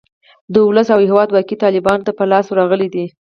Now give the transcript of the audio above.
د اولس او هیواد واګې طالیبانو ته په لاس ورغلې دي.